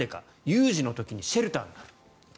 有事の時にシェルターになる。